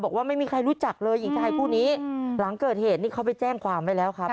บอกว่าไม่มีใครรู้จักเลยหญิงชายคู่นี้หลังเกิดเหตุนี่เขาไปแจ้งความไว้แล้วครับ